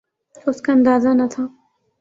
اس کا اندازہ نہ تھا۔